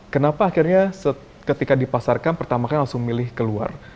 kenapa akhirnya ketika dipasarkan pertama kan langsung milih keluar